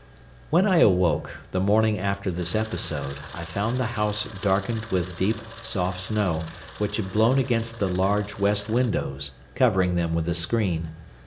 When I awoke, the morning after this episode, I found the house darkened with deep, soft snow, which had blown against the large west windows, covering them with a screen.